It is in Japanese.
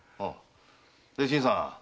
で新さん